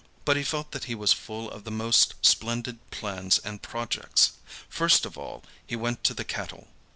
But he felt that he was full of the most splendid plans and projects. First of all he went to the cattle.